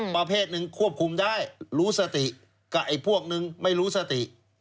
ประเภทหนึ่งควบคุมได้รู้สติกับไอ้พวกนึงไม่รู้สติ